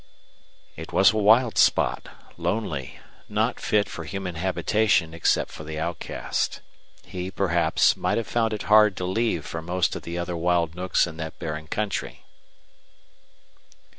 It was a wild spot, lonely, not fit for human habitation except for the outcast. He, perhaps, might have found it hard to leave for most of the other wild nooks in that barren country.